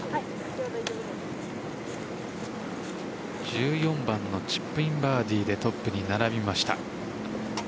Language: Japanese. １４番のチップインバーディーでトップに並びました。